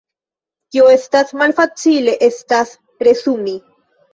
Kio estas malfacile estas resumi.